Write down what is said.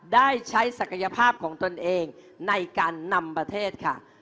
ได้ใช้ศักยภาพของตนเองในการนำประเทศค่ะ